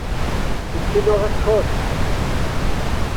Dipyn o record.